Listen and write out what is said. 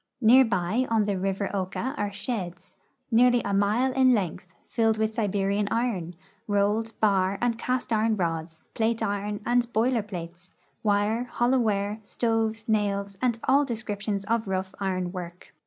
Near by on the rivpr Oka are sheds, nearly a mile in length, filled with Siberian iron, rolled, bar, and cast iron rods, plate iron, and boiler plates, wire, hollow ware, stoves, nails, and all descriptions of rough iron work.